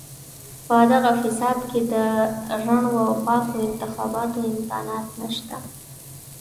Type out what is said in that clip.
په دغه فساد کې د رڼو او پاکو انتخاباتو امکانات نشته.